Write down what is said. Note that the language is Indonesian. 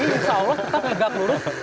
insya allah tetap tegak lurus